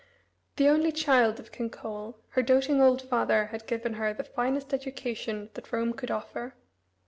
The only child of King Coel, her doting old father had given her the finest education that Rome could offer.